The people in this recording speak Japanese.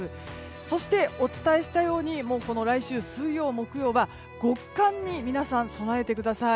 そして、お伝えしたように来週水曜、木曜は極寒に皆さん備えてください。